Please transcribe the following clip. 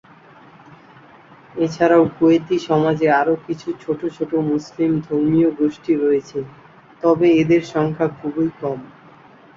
এছাড়াও কুয়েতি সমাজে আরো কিছু ছোট ছোট মুসলিম ধর্মীয় গোষ্ঠী রয়েছে, তবে এদের সংখ্যা খুবই কম।